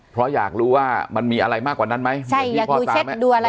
เพราะอยากรู้ว่ามันมีอะไรมากกว่านั้นไหมใช่อยากดูเช็ดดูอะไร